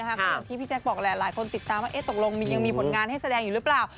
ก็อย่างที่พี่แจ๊คบอกแหละหลายคนติดตามว่าตกลงยังมีผลงานให้แสดงอยู่หรือเปล่า